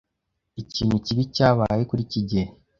Ikintu kibi cyabaye kuri kigeli.